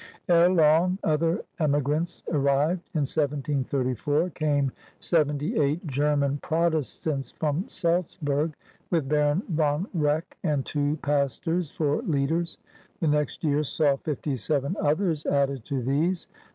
Ere long other emigrants arrived. In 1734 came seventy eight German Protestants from Salzburg, with Baron von Reck and two pastors for leaders. The next year saw fifty seven others added to these.